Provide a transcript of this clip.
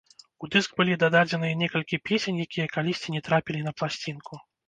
У дыск былі дададзеныя некалькі песень, якія калісьці не трапілі на пласцінку.